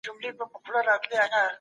چي د آس پر ځای